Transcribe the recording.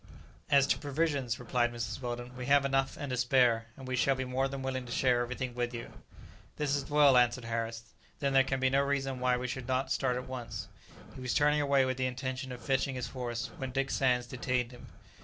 "As to provisions," replied Mrs. Weldon, "we have enough and to spare; and we shall be more than willing to share everything with you." "That is well," answered Harris; "then there can be no reason why we should not start at once." He was turning away with the intention of fetching his horse, when Dick Sands detained him.